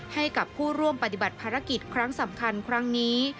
ให้กับผู้ร่วมปฏิบัติภารกิจครั้งสำคัญครั้งนี้